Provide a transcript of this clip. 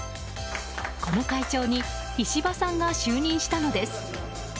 この会長に石破さんが就任したのです。